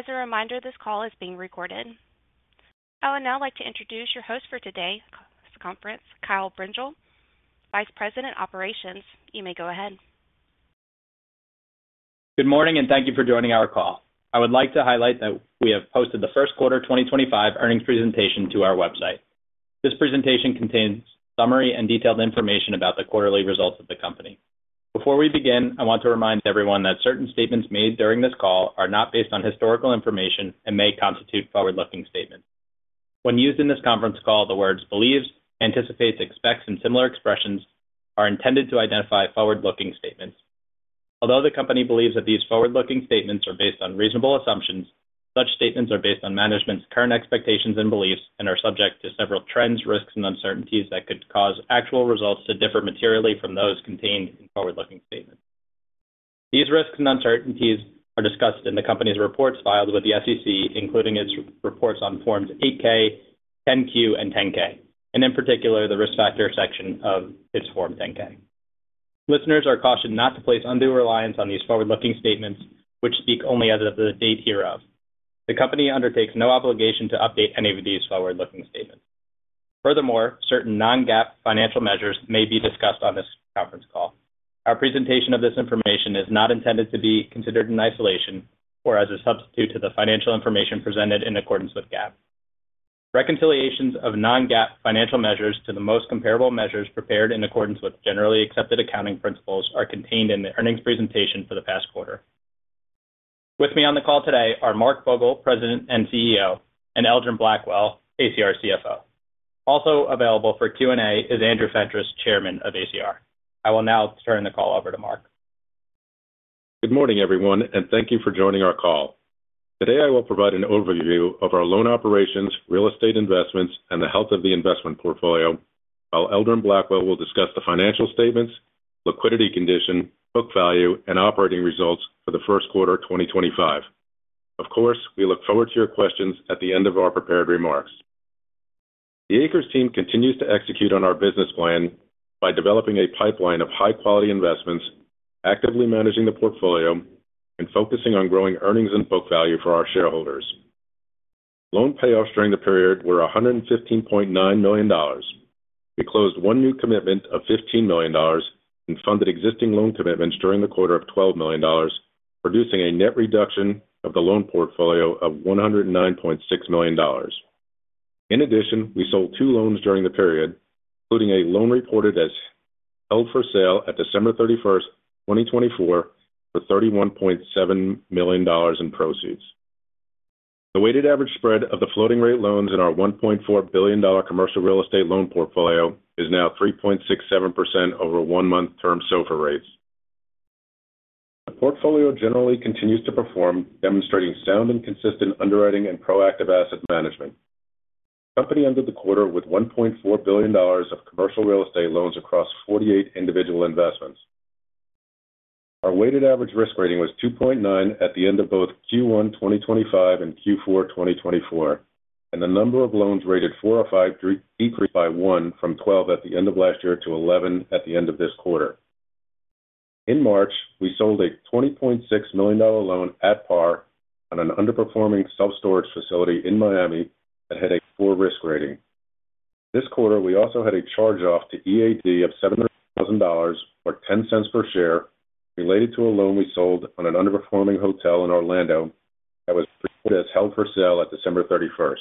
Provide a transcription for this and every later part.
As a reminder, this call is being recorded. I would now like to introduce your host for today's conference, Kyle Brengel, Vice President Operations. You may go ahead. Good morning, and thank you for joining our call. I would like to highlight that we have posted the first quarter 2025 earnings presentation to our website. This presentation contains summary and detailed information about the quarterly results of the company. Before we begin, I want to remind everyone that certain statements made during this call are not based on historical information and may constitute forward-looking statements. When used in this conference call, the words "believes," "anticipates," "expects," and similar expressions are intended to identify forward-looking statements. Although the company believes that these forward-looking statements are based on reasonable assumptions, such statements are based on management's current expectations and beliefs and are subject to several trends, risks, and uncertainties that could cause actual results to differ materially from those contained in forward-looking statements. These risks and uncertainties are discussed in the company's reports filed with the SEC, including its reports on Forms 8-K, 10-Q, and 10-K, and in particular, the risk factor section of its Form 10-K. Listeners are cautioned not to place undue reliance on these forward-looking statements, which speak only as of the date hereof. The company undertakes no obligation to update any of these forward-looking statements. Furthermore, certain non-GAAP financial measures may be discussed on this conference call. Our presentation of this information is not intended to be considered in isolation or as a substitute to the financial information presented in accordance with GAAP. Reconciliations of non-GAAP financial measures to the most comparable measures prepared in accordance with generally accepted accounting principles are contained in the earnings presentation for the past quarter. With me on the call today are Mark Fogel, President and CEO, and Eldron Blackwell, ACR CFO. Also available for Q&A is Andrew Fentress, Chairman of ACR. I will now turn the call over to Mark. Good morning, everyone, and thank you for joining our call. Today, I will provide an overview of our loan operations, real estate investments, and the health of the investment portfolio, while Eldron Blackwell will discuss the financial statements, liquidity condition, book value, and operating results for the first quarter 2025. Of course, we look forward to your questions at the end of our prepared remarks. The ACRES team continues to execute on our business plan by developing a pipeline of high-quality investments, actively managing the portfolio, and focusing on growing earnings and book value for our shareholders. Loan payoffs during the period were $115.9 million. We closed one new commitment of $15 million and funded existing loan commitments during the quarter of $12 million, producing a net reduction of the loan portfolio of $109.6 million. In addition, we sold two loans during the period, including a loan reported as held for sale at December 31, 2024, for $31.7 million in proceeds. The weighted average spread of the floating-rate loans in our $1.4 billion commercial real estate loan portfolio is now 3.67% over one-month term SOFR rates. The portfolio generally continues to perform, demonstrating sound and consistent underwriting and proactive asset management. The company ended the quarter with $1.4 billion of commercial real estate loans across 48 individual investments. Our weighted average risk rating was 2.9 at the end of both Q1 2025 and Q4 2024, and the number of loans rated 4 or 5 decreased by one from 12 at the end of last year to 11 at the end of this quarter. In March, we sold a $20.6 million loan at par on an underperforming self-storage facility in Miami that had a 4 risk rating. This quarter, we also had a charge-off to EAD of $700,000 or $0.10 per share related to a loan we sold on an underperforming hotel in Orlando that was reported as held for sale at December 31.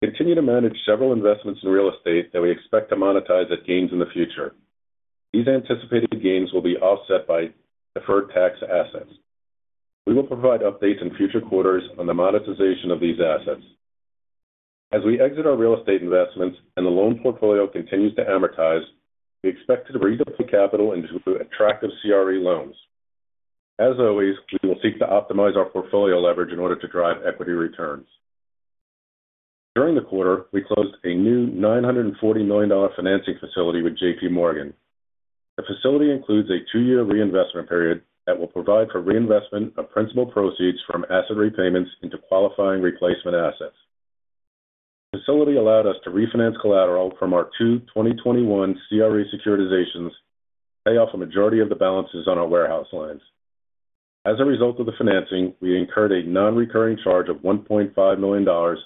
We continue to manage several investments in real estate that we expect to monetize at gains in the future. These anticipated gains will be offset by deferred tax assets. We will provide updates in future quarters on the monetization of these assets. As we exit our real estate investments and the loan portfolio continues to amortize, we expect to redeploy capital into attractive CRE loans. As always, we will seek to optimize our portfolio leverage in order to drive equity returns. During the quarter, we closed a new $940 million financing facility with J.P. Morgan. The facility includes a two-year reinvestment period that will provide for reinvestment of principal proceeds from asset repayments into qualifying replacement assets. The facility allowed us to refinance collateral from our two 2021 CRE securitizations to pay off a majority of the balances on our warehouse lines. As a result of the financing, we incurred a non-recurring charge of $1.5 million,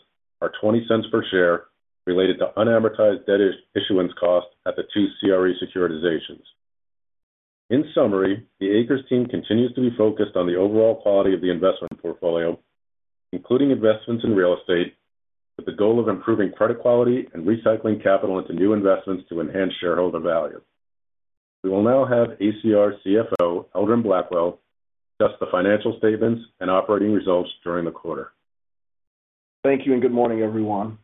or $0.20 per share, related to unamortized debt issuance costs at the two CRE securitizations. In summary, the ACRES team continues to be focused on the overall quality of the investment portfolio, including investments in real estate, with the goal of improving credit quality and recycling capital into new investments to enhance shareholder value. We will now have ACR CFO Eldron Blackwell discuss the financial statements and operating results during the quarter. Thank you and good morning, everyone.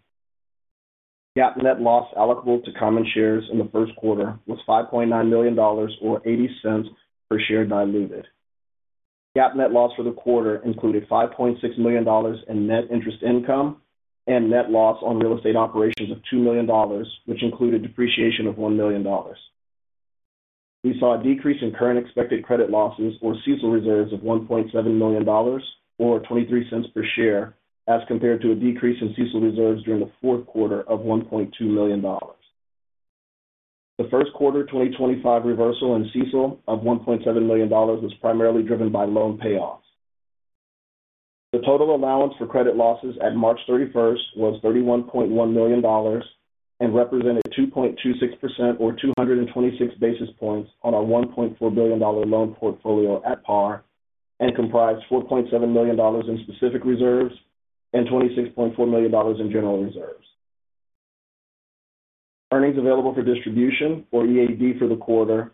GAAP net loss allocable to common shares in the first quarter was $5.9 million, or $0.80 per share diluted. GAAP net loss for the quarter included $5.6 million in net interest income and net loss on real estate operations of $2 million, which included depreciation of $1 million. We saw a decrease in current expected credit losses, or CECL reserves, of $1.7 million, or $0.23 per share, as compared to a decrease in CECL reserves during the fourth quarter of $1.2 million. The first quarter 2025 reversal in CECL of $1.7 million was primarily driven by loan payoffs. The total allowance for credit losses at March 31st was $31.1 million and represented 2.26%, or 226 basis points, on our $1.4 billion loan portfolio at par and comprised $4.7 million in specific reserves and $26.4 million in general reserves. Earnings available for distribution, or EAD, for the quarter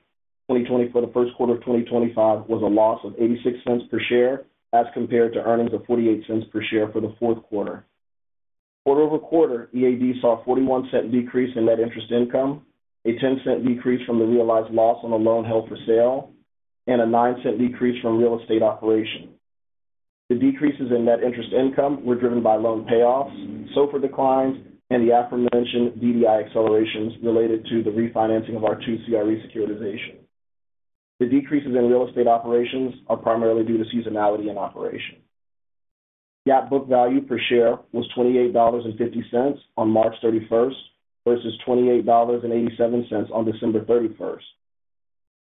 2024, the first quarter of 2025, was a loss of $0.86 per share as compared to earnings of $0.48 per share for the fourth quarter. Quarter over quarter, EAD saw a $0.41 decrease in net interest income, a $0.10 decrease from the realized loss on a loan held for sale, and a $0.09 decrease from real estate operations. The decreases in net interest income were driven by loan payoffs, SOFR declines, and the aforementioned DDI accelerations related to the refinancing of our two CRE securitizations. The decreases in real estate operations are primarily due to seasonality in operation. GAAP book value per share was $28.50 on March 31st versus $28.87 on December 31st.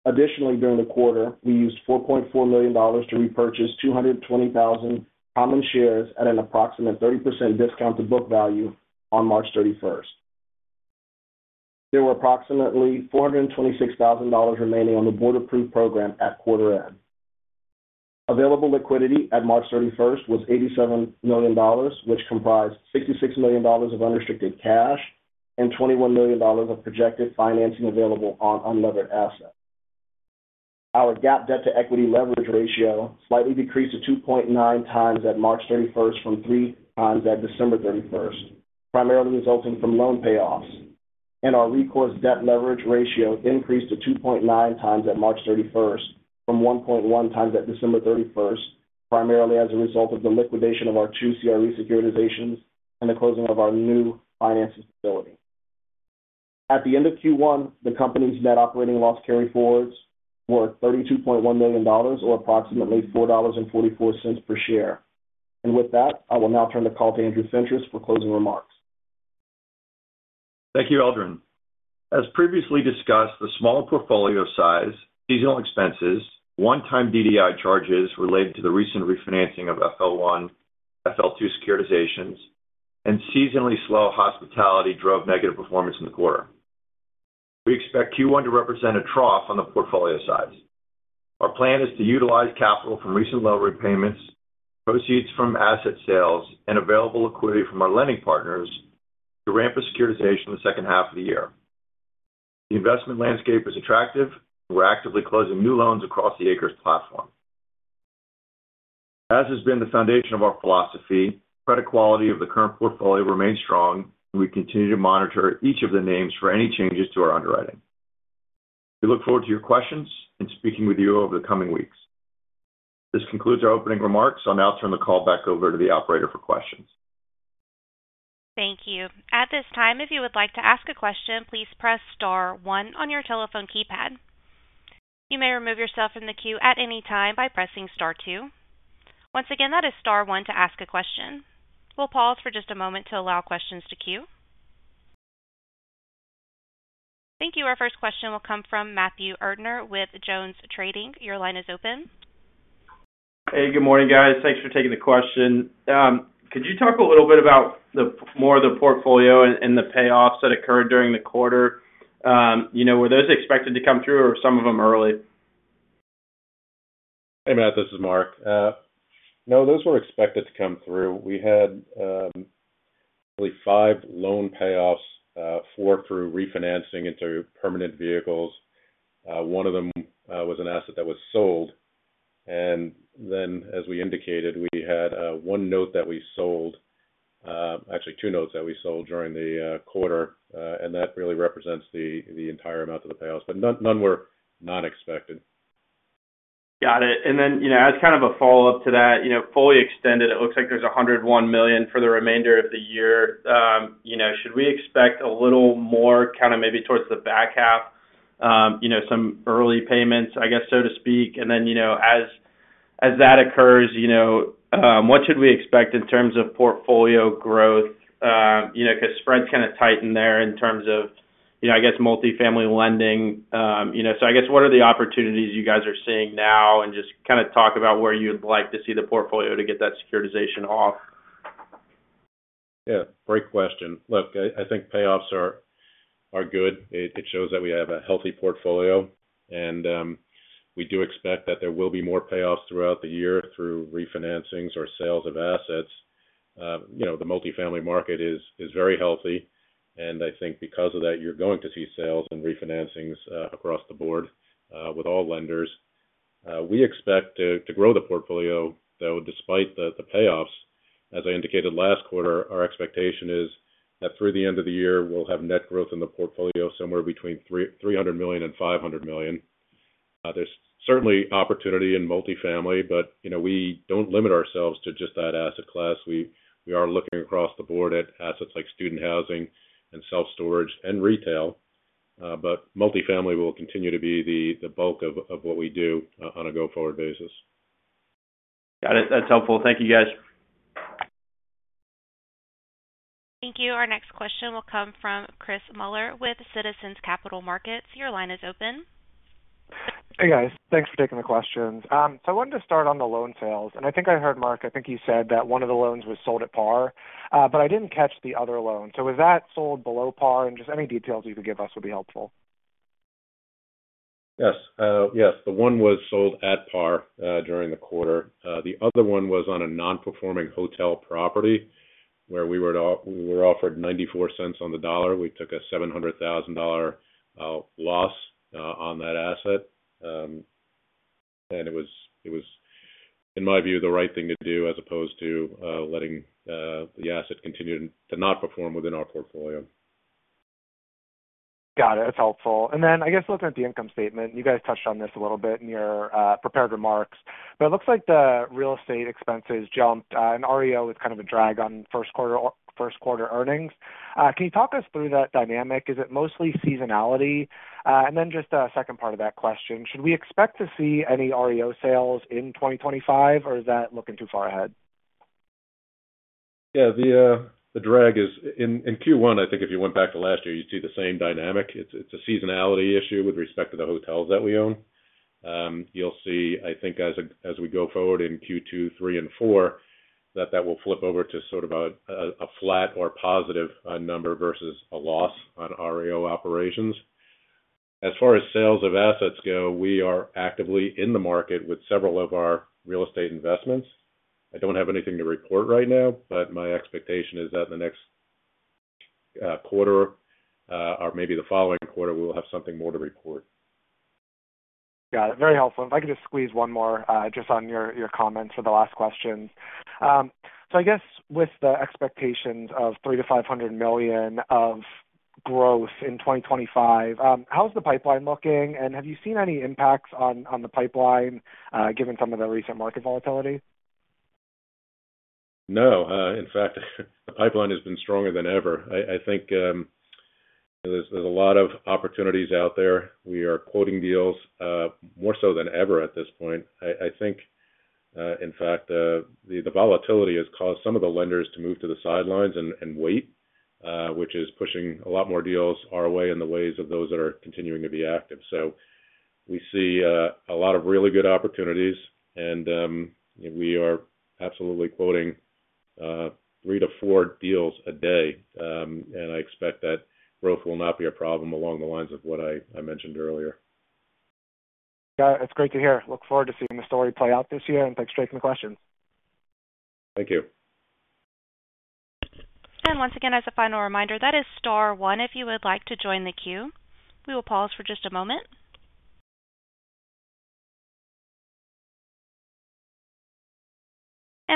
Additionally, during the quarter, we used $4.4 million to repurchase 220,000 common shares at an approximate 30% discount to book value on March 31st. There were approximately $426,000 remaining on the Board-approved program at quarter-end. Available liquidity at March 31 was $87 million, which comprised $66 million of unrestricted cash and $21 million of projected financing available on unlevered assets. Our GAAP debt-to-equity leverage ratio slightly decreased to 2.9 times at March 31 from 3 times at December 31, primarily resulting from loan payoffs, and our recourse debt leverage ratio increased to 2.9 times at March 31 from 1.1 times at December 31, primarily as a result of the liquidation of our two CRE securitizations and the closing of our new financing facility. At the end of Q1, the company's net operating loss carryforwards were $32.1 million, or approximately $4.44 per share. With that, I will now turn the call to Andrew Fentress for closing remarks. Thank you, Eldron. As previously discussed, the small portfolio size, seasonal expenses, one-time DDI charges related to the recent refinancing of FL1, FL2 securitizations, and seasonally slow hospitality drove negative performance in the quarter. We expect Q1 to represent a trough on the portfolio size. Our plan is to utilize capital from recent loan repayments, proceeds from asset sales, and available liquidity from our lending partners to ramp a securitization in the second half of the year. The investment landscape is attractive, and we're actively closing new loans across the ACRES platform. As has been the foundation of our philosophy, credit quality of the current portfolio remains strong, and we continue to monitor each of the names for any changes to our underwriting. We look forward to your questions and speaking with you over the coming weeks. This concludes our opening remarks. I'll now turn the call back over to the operator for questions. Thank you. At this time, if you would like to ask a question, please press star one on your telephone keypad. You may remove yourself from the queue at any time by pressing star two. Once again, that is star one to ask a question. We'll pause for just a moment to allow questions to queue. Thank you. Our first question will come from Matthew Erdner with JonesTrading. Your line is open. Hey, good morning, guys. Thanks for taking the question. Could you talk a little bit about more of the portfolio and the payoffs that occurred during the quarter? Were those expected to come through, or were some of them early? Hey, Matt. This is Mark. No, those were expected to come through. We had, I believe, five loan payoffs, four through refinancing into permanent vehicles. One of them was an asset that was sold. As we indicated, we had one note that we sold, actually two notes that we sold during the quarter, and that really represents the entire amount of the payoffs. None were non-expected. Got it. As kind of a follow-up to that, fully extended, it looks like there's $101 million for the remainder of the year. Should we expect a little more kind of maybe towards the back half, some early payments, I guess, so to speak? As that occurs, what should we expect in terms of portfolio growth? Because spreads kind of tightened there in terms of, I guess, multifamily lending. What are the opportunities you guys are seeing now, and just kind of talk about where you'd like to see the portfolio to get that securitization off? Yeah. Great question. Look, I think payoffs are good. It shows that we have a healthy portfolio, and we do expect that there will be more payoffs throughout the year through refinancings or sales of assets. The multifamily market is very healthy, and I think because of that, you're going to see sales and refinancings across the board with all lenders. We expect to grow the portfolio, though, despite the payoffs. As I indicated last quarter, our expectation is that through the end of the year, we'll have net growth in the portfolio somewhere between $300 million and $500 million. There's certainly opportunity in multifamily, but we don't limit ourselves to just that asset class. We are looking across the board at assets like student housing and self-storage and retail, but multifamily will continue to be the bulk of what we do on a go-forward basis. Got it. That's helpful. Thank you, guys. Thank you. Our next question will come from Chris Muller with Citizens Capital Markets. Your line is open. Hey, guys. Thanks for taking the questions. I wanted to start on the loan sales. I think I heard, Mark, I think you said that one of the loans was sold at par, but I did not catch the other loan. Was that sold below par? Any details you could give us would be helpful. Yes. Yes. The one was sold at par during the quarter. The other one was on a non-performing hotel property where we were offered $0.94 on the dollar. We took a $700,000 loss on that asset. It was, in my view, the right thing to do as opposed to letting the asset continue to not perform within our portfolio. Got it. That's helpful. I guess, looking at the income statement, you guys touched on this a little bit in your prepared remarks, but it looks like the real estate expenses jumped, and REO was kind of a drag on first-quarter earnings. Can you talk us through that dynamic? Is it mostly seasonality? The second part of that question, should we expect to see any REO sales in 2025, or is that looking too far ahead? Yeah. The drag is, in Q1, I think if you went back to last year, you'd see the same dynamic. It's a seasonality issue with respect to the hotels that we own. You'll see, I think, as we go forward in Q2, 3, and 4, that that will flip over to sort of a flat or positive number versus a loss on REO operations. As far as sales of assets go, we are actively in the market with several of our real estate investments. I don't have anything to report right now, but my expectation is that in the next quarter or maybe the following quarter, we will have something more to report. Got it. Very helpful. If I could just squeeze one more just on your comments for the last question. I guess with the expectations of $300 million-$500 million of growth in 2025, how's the pipeline looking, and have you seen any impacts on the pipeline given some of the recent market volatility? No. In fact, the pipeline has been stronger than ever. I think there is a lot of opportunities out there. We are quoting deals more so than ever at this point. I think, in fact, the volatility has caused some of the lenders to move to the sidelines and wait, which is pushing a lot more deals our way in the ways of those that are continuing to be active. We see a lot of really good opportunities, and we are absolutely quoting three to four deals a day. I expect that growth will not be a problem along the lines of what I mentioned earlier. Got it. That's great to hear. Look forward to seeing the story play out this year, and thanks for taking the questions. Thank you. Once again, as a final reminder, that is star one if you would like to join the queue. We will pause for just a moment.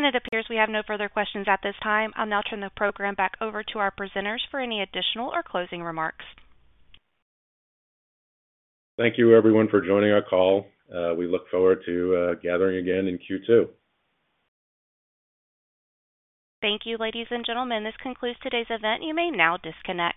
It appears we have no further questions at this time. I'll now turn the program back over to our presenters for any additional or closing remarks. Thank you, everyone, for joining our call. We look forward to gathering again in Q2. Thank you, ladies and gentlemen. This concludes today's event. You may now disconnect.